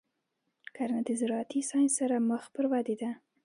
کرنه د زراعتي ساینس سره مخ پر ودې ده.